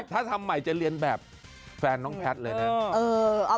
ถ้าทำใหม่จะเรียนแบบแฟนน้องแพทย์เลยนะ